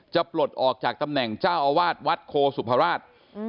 ปลดออกจากตำแหน่งเจ้าอาวาสวัดโคสุภราช